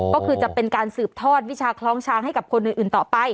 ก็คือจะเป็นการสืบทอดวิชาคล้องช้างให้กับคนอื่นต่อไป